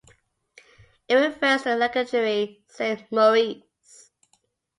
It refers to the legendary Saint Maurice.